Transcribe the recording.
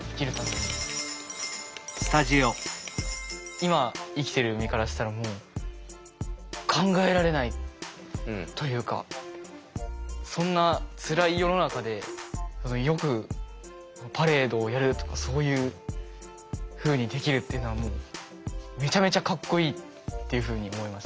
今生きてる身からしたらもう考えられないというかそんなつらい世の中でよくパレードをやるとかそういうふうにできるっていうのはもうめちゃめちゃかっこいいっていうふうに思いました。